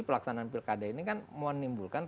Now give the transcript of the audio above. pelaksanaan pilkada ini kan menimbulkan